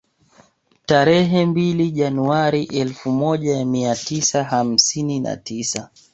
Tarehe mbili Januari elfu moja mia tisa hamsini na tisa